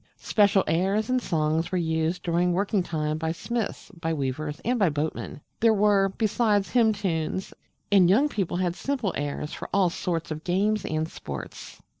Special airs and songs were used during working time by smiths, by weavers, and by boatmen. There were, besides, hymn tunes; and young people had simple airs for all sorts of games and sports.